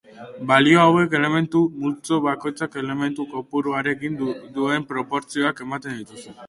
Balio hauek elementu-multzo bakoitzak elementu-kopuruarekin duen proportzioak ematen dituzte.